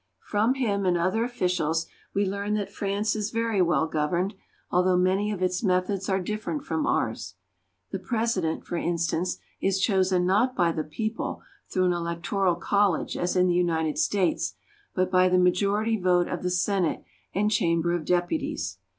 From him and other officials we learn that France is very well governed, although many of its methods are different from ours. The President, for instance, is chosen not by the people through an electoral college as in the United States, but by the majority vote of the Senate and Chamber of Depu ties.